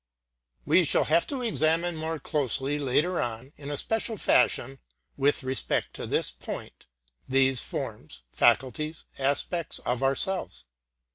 We shall have to examine more closely later on in a special fashion with respect to this point, these forms, faculties, aspects of ourselves.